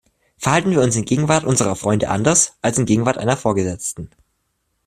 Verhalten wir uns in Gegenwart unserer Freunde anders, als in Gegenwart einer Vorgesetzten.